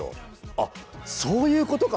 あっそういうことかと。